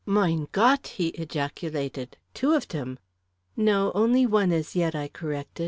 "Mein Gott!" he ejaculated. "Two of t'em!" "No; only one as yet," I corrected.